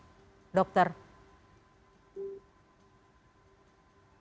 bagaimana cara untuk membuat perusahaan yang lebih rendah untuk memiliki kekuatan yang lebih tinggi